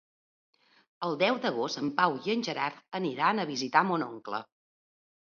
El deu d'agost en Pau i en Gerard aniran a visitar mon oncle.